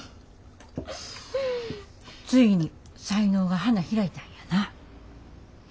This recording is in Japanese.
ついに才能が花開いたんやな。